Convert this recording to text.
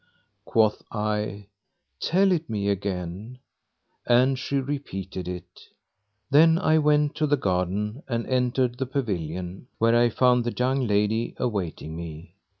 Quoth I, "Tell it me again"; and she repeated it. Then I went to the garden and entered the pavilion, where I found the young lad, awaiting me.